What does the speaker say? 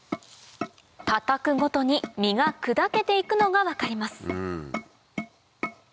叩くごとに実が砕けて行くのが分かります